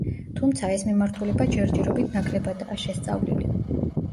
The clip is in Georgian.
თუმცა, ეს მიმართულება ჯერჯერობით ნაკლებადაა შესწავლილი.